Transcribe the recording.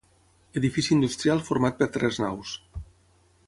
Edifici industrial format per tres naus.